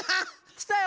きたよ！